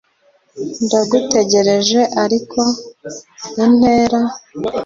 ndagutegereje ariko, intera,